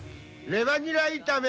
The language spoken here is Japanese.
レバニラ炒め。